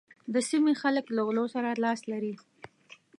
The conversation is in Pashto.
د سيمې خلک له غلو سره لاس لري.